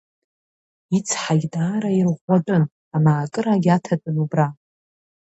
Ицҳагь даара ирыӷәӷәатәын, амаакырагь аҭатәын убра!